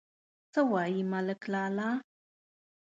_څه وايي، ملک لالا؟